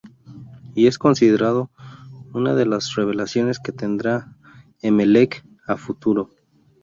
Y es considerado una de las revelaciones que tendrá Emelec a futuro.